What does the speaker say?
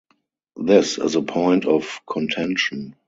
This is a point of contention.